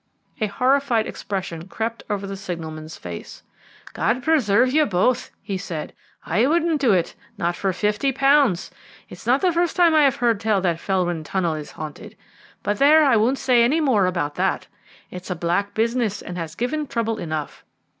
A horrified expression crept over the signalman's face. "God preserve you both," he said; "I wouldn't do it not for fifty pounds. It's not the first time I have heard tell that Felwyn Tunnel is haunted. But, there, I won't say any more about that. It's a black business, and has given trouble enough.